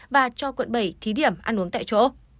và cho quận bảy thí điểm ăn uống tại chỗ